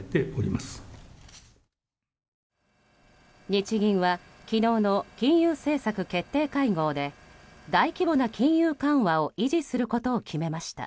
日銀は昨日の金融政策決定会合で大規模な金融緩和を維持することを決めました。